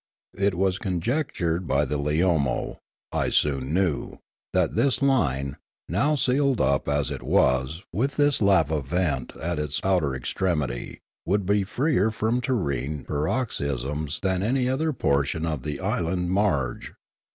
It was conjectured by the Leomo, I soon knew, that this line, now sealed up as it was and with its lava vent at its outer extremity, would be freer from terrene par oxysms than any other portion of the island marge.